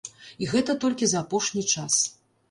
І гэта толькі за апошні час.